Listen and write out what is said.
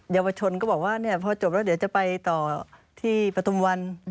เยาวชนก็บอกว่าพอจบแล้วเดี๋ยวจะไปต่อที่ปฐุมวัน